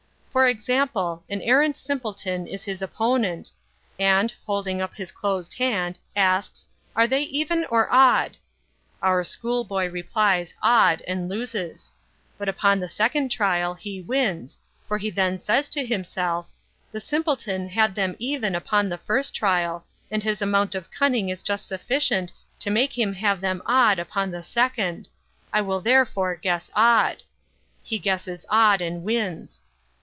For example, an arrant simpleton is his opponent, and, holding up his closed hand, asks, 'are they even or odd?' Our schoolboy replies, 'odd,' and loses; but upon the second trial he wins, for he then says to himself, 'the simpleton had them even upon the first trial, and his amount of cunning is just sufficient to make him have them odd upon the second; I will therefore guess odd;'—he guesses odd, and wins.